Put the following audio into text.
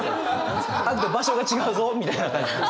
あんた場所が違うぞみたいな感じです。